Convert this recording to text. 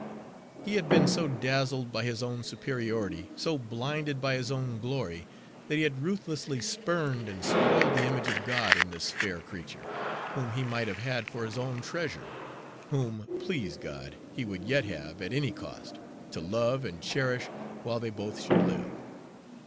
He had been so dazzled by his own superiority, so blinded by his own glory, that he had ruthlessly spurned and spoiled the image of God in this fair creature, whom he might have had for his own treasure, whom, please God, he would yet have, at any cost, to love and cherish while they both should live.